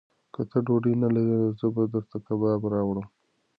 که ته ډوډۍ نه لرې، زه به درته کباب راوړم.